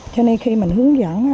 cho nên khi mình hướng dẫn